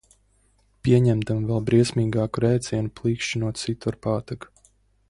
Pieņemdama vēl briesmīgāku rēcienu plīkšķinot situ ar pātagu.